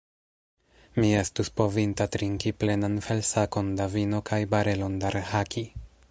Mi estus povinta trinki plenan felsakon da vino kaj barelon da rhaki.